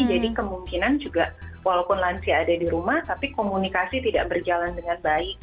jadi kemungkinan juga walaupun lansia ada di rumah tapi komunikasi tidak berjalan dengan baik